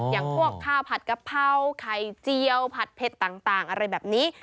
อย่างพวกข้าวผัดกะเพราไข่เจียวผัดเผ็ดต่างอะไรแบบนี้